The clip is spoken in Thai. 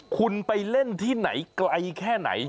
คุณไปเล่นที่ไหนไกลแค่ไหน